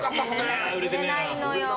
売れないのよ。